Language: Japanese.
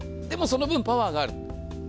でもその分、パワーがある。